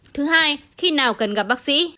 thứ hai khi nào cần gặp bác sĩ